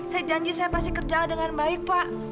saya janji saya pasti kerja dengan baik pak